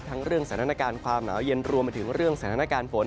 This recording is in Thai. เรื่องสถานการณ์ความหนาวเย็นรวมไปถึงเรื่องสถานการณ์ฝน